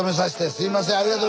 すいません。